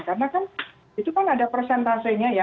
karena kan itu kan ada persentasenya ya